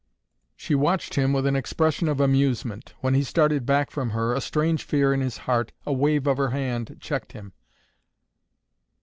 She watched him with an expression of amusement. When he started back from her, a strange fear in his heart, a wave of her hand checked him.